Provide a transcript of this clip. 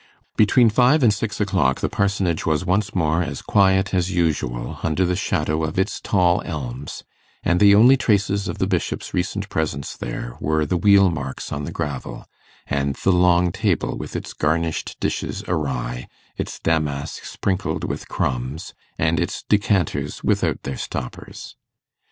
Between five and six o'clock the Parsonage was once more as quiet as usual under the shadow of its tall elms, and the only traces of the Bishop's recent presence there were the wheel marks on the gravel, and the long table with its garnished dishes awry, its damask sprinkled with crumbs, and its decanters without their stoppers.